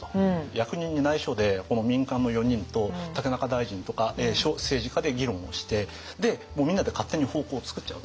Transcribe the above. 役人にないしょでこの民間の４人と竹中大臣とか政治家で議論をしてみんなで勝手に方向を作っちゃおうと。